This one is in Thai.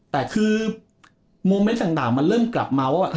แต่คือโมเมนต์ต่างมันเริ่มกลับมาว่า